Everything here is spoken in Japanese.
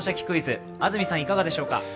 クイズ」、安住さんいかがでしょうか。